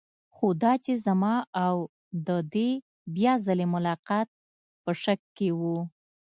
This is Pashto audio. خو دا چې زما او د دې بیا ځلې ملاقات په شک کې و.